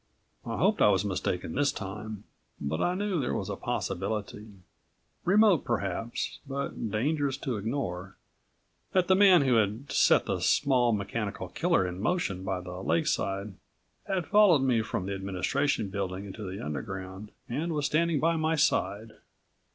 I hoped I was mistaken this time, but I knew there was a possibility remote, perhaps, but dangerous to ignore that the man who had set the small mechanical killer in motion by the Lakeside had followed me from the Administration Building into the Underground and was standing by my side.